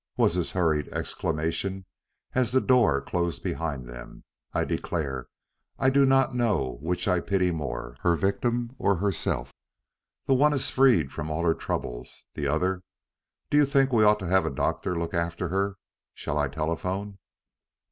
was his hurried exclamation as the door closed behind them. "I declare I do not know which I pity more, her victim or herself. The one is freed from all her troubles; the other Do you think we ought to have a doctor to look after her? Shall I telephone?"